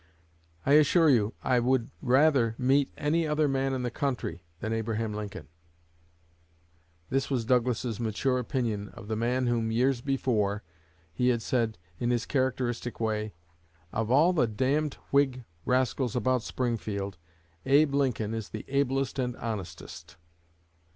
I assure you I would rather meet any other man in the country than Abraham Lincoln." This was Douglas's mature opinion of the man of whom, years before, he had said, in his characteristic way: "Of all the d d Whig rascals about Springfield, Abe Lincoln is the ablest and honestest."